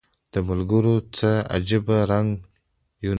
د ملګرو څه عجیبه رنګه یون و